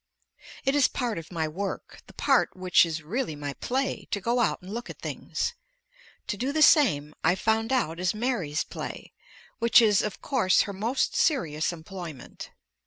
It is part of my work, the part which is really my play to go out and look at things. To do the same, I found out, is Mary's play which is, of course, her most serious employment.